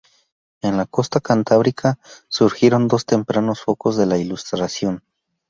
En la costa cantábrica surgieron dos tempranos focos de la Ilustración.